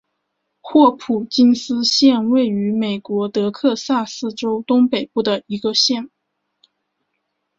霍普金斯县位美国德克萨斯州东北部的一个县。